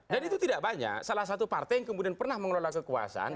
dan itu tidak banyak salah satu partai yang kemudian pernah mengelola kekuasaan